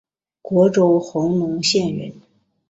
虢州弘农县人。